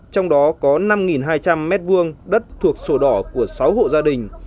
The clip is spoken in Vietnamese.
trong đó có năm hai trăm linh m hai đất thuộc sổ đỏ của sáu hộ gia đình